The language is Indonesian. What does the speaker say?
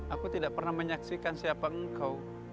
aku tidak pernah menyaksikan siapa engkau